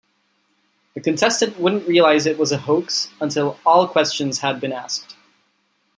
The contestant wouldn't realize it was a hoax until all questions had been asked.